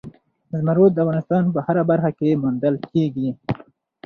زمرد د افغانستان په هره برخه کې موندل کېږي.